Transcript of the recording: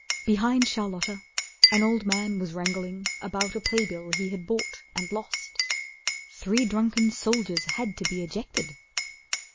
Behind Charlotta an old man was wrangling About a play bill he had bought and lost. Three drunken soldiers had to be ejected.